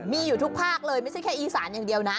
มีอยู่ทุกภาคเลยไม่ใช่แค่อีสานอย่างเดียวนะ